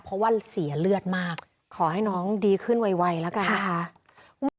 เพราะว่าเสียเลือดมากขอให้น้องดีขึ้นไวแล้วกันนะคะ